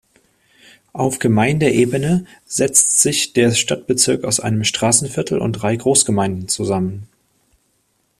Auf Gemeindeebene setzt sich der Stadtbezirk aus einem Straßenviertel und drei Großgemeinden zusammen.